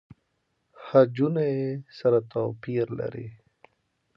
خجونه يې سره توپیر لري.